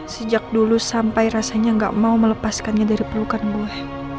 sejak dulu sampai rasanya gak mau melepaskannya dari pelukan buah